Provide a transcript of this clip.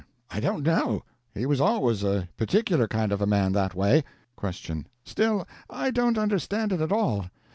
I don't know. He was always a particular kind of a man that way. Q. Still, I don't understand it at all.